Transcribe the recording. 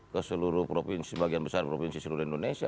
ke seluruh provinsi bagian besar provinsi seluruh indonesia